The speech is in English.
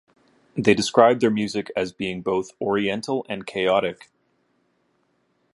They describe their music as being both oriental and chaotic.